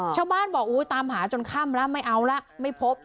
ชาวบ้านบอกตามหาจนค่ำแล้วไม่เอาละไม่พบ